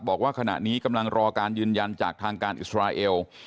บอกว่าขณะนี้กำลังรอการยืนยันจากทางการอิสราเอล